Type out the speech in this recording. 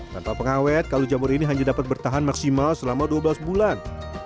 tanpa pengawet kaldu jamur ini hanya dapat bertahan maksimal selama dua belas bulan